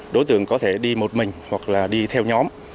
đối tượng có thể đi một mình hoặc là đi theo nhóm